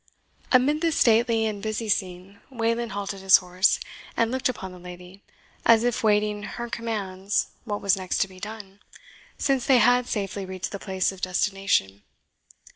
Amid this stately and busy scene Wayland halted his horse, and looked upon the lady, as if waiting her commands what was next to be done, since they had safely reached the place of destination.